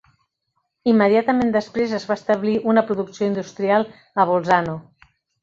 Immediatament després, es va establir una producció industrial a Bolzano.